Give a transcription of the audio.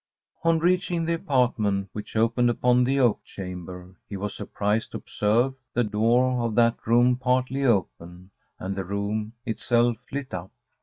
] On reaching the apartment which opened upon the oak chamber he was surprised to observe the door of that room partly open, and the room itself lit up.